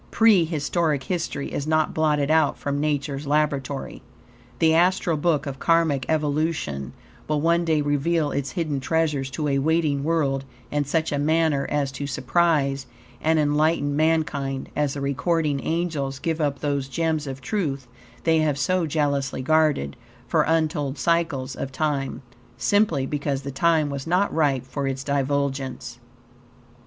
Prehistoric history is not blotted out from Nature's laboratory. The Astral Book of Karmic evolution will one day reveal its hidden treasures to a waiting world in such a manner as to surprise and enlighten mankind as the recording angels give up those gems of truth they have so jealously guarded for untold cycles of time, simply because the time was not ripe for its divulgence.